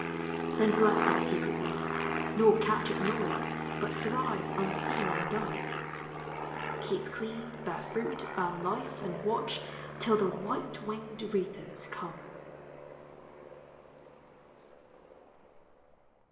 Then bless thy secret growth, nor catch At noise, but thrive unseen and dumb; Keep clean, bear fruit, earn life, and watch Till the white w r inged reapers come